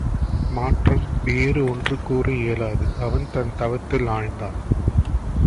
மாற்றம் வேறு ஒன்றும் கூற இயலாது அவன் தன் தவத்தில் ஆழ்ந்தான்.